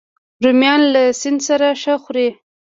رومیان له سیند سره ښه خوري